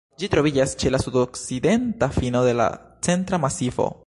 Ĝi troviĝas ĉe la sudokcidenta fino de la Centra Masivo.